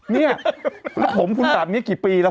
เนี่ยแล้วผมคุณแบบนี้กี่ปีแล้ว